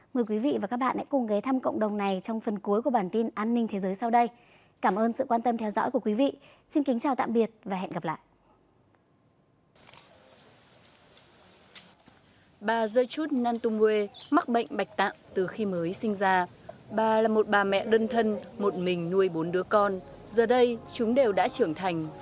mời quý vị và các bạn hãy cùng ghé thăm cộng đồng này